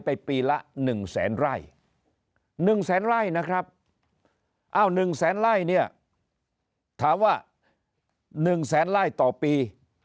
ปีละ๑แสนไร่๑แสนไร่นะครับ๑แสนไร่เนี่ยถามว่า๑แสนไล่ต่อปี